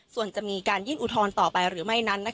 ส่วนจะมีการยื่นอุทธรณ์ต่อไปหรือไม่นั้น